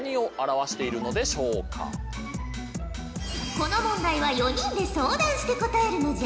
この問題は４人で相談して答えるのじゃ。